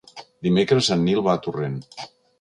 Dimecres en Nil va a Torrent.